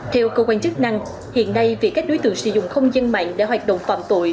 theo cơ quan chức năng hiện nay việc các đối tượng sử dụng không gian mạng để hoạt động phạm tội